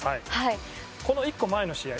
この１個前の試合